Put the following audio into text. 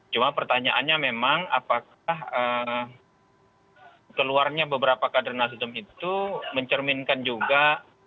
cuma pertanyaannya memang apakah keluarnya beberapa kader nasdem itu mencerminkan juga